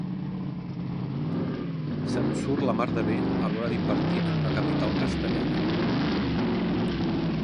Se'n surt la mar de bé a l'hora d'invertir en una capital castellana.